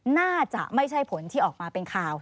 น่าจะไม่ใช่ผลที่ออกมาเป็นข่าว